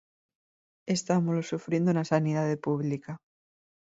Estámolo sufrindo na sanidade pública.